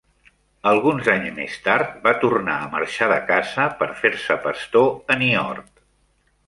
Alguns anys més tard va tornar a marxar de casa per fer-se pastor a Niort.